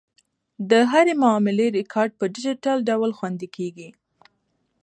د هرې معاملې ریکارډ په ډیجیټل ډول خوندي کیږي.